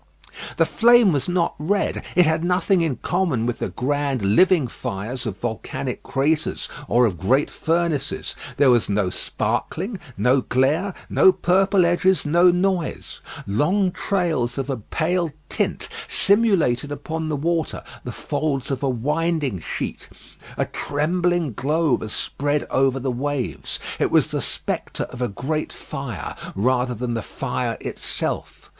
The flame was not red; it had nothing in common with the grand living fires of volcanic craters or of great furnaces. There was no sparkling, no glare, no purple edges, no noise. Long trails of a pale tint simulated upon the water the folds of a winding sheet. A trembling glow was spread over the waves. It was the spectre of a great fire, rather than the fire itself.